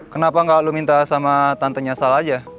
kenapa gak lu minta sama tantenya sal aja